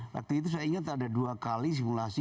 waktu itu saya ingat ada dua kali simulasi